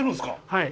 はい。